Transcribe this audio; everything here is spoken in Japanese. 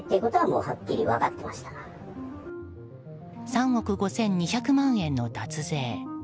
３億２５００万円の脱税。